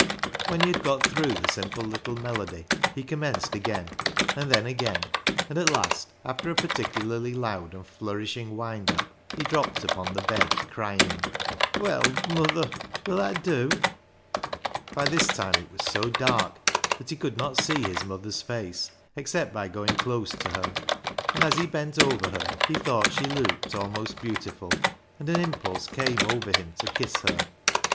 When he had got through the simple little melody he commenced again, and then again, and at last, after a particularly loud and flourishing wind up, he dropped upon the bed, crying, —" Well, muther, will that dew? " By this time it was so dark that he could not see his mother's face, except by going close to her. And as he bent over her he thought she looked almost beautiful, and an impulse came over him to kiss her.